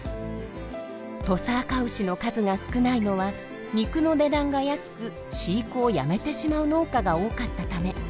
土佐あかうしの数が少ないのは肉の値段が安く飼育をやめてしまう農家が多かったため。